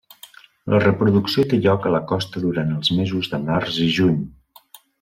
La reproducció té lloc a la costa durant els mesos de març i juny.